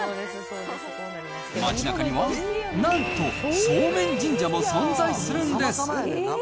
街なかには、なんと素麺神社も存在するんです。